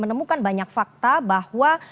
menemukan banyak fakta bahwa